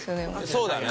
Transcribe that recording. そうだね。